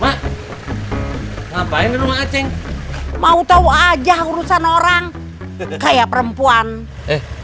mak ngapain di rumah aceh mau tahu aja urusan orang kayak perempuan eh